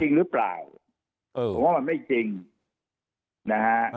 จริงหรือเปล่าเออผมว่ามันไม่จริงนะฮะ